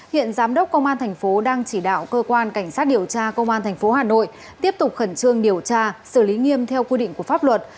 hiện giám đốc công an thành phố đang chỉ đạo cơ quan cảnh sát điều tra công an tp hà nội tiếp tục khẩn trương điều tra xử lý nghiêm theo quy định của pháp luật